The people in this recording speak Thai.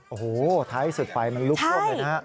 โอ้โหท้ายสุดไฟมันลุกท่วมเลยนะฮะ